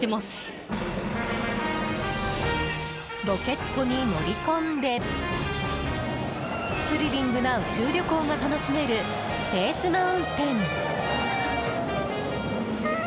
ロケットに乗り込んでスリリングな宇宙旅行が楽しめるスペース・マウンテン。